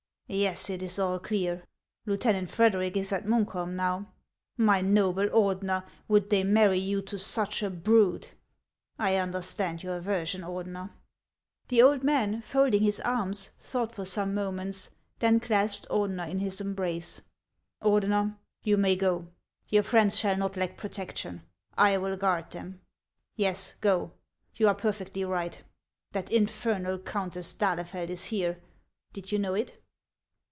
" Yes, it is all clear. Lieutenant Frederic is at Munkholm now. My noble Ordener, would they marry you to such a brood ! I un derstand your aversion, Ordeiier." The old man, folding his arms, thought for some mo ments, then clasped Ordener in his embrace. " Ordener, you may go. Your friends shall not lack protection ; I will guard them. Yes, go ; you are per fectly right. That infernal Countess d'Ahlefeld is here ; did you know it